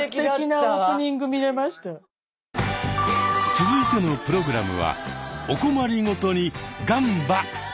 続いてのプログラムはお困りごとにガンバ！